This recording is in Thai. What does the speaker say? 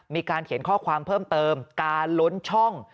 มีการเขียนข้อความเพิ่มเติมการล้นช่อง